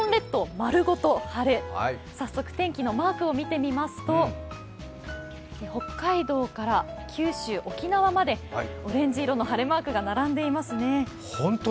早速、天気のマークを見てみますと北海道から九州、沖縄までオレンジ色の晴れマークが並んでいますね。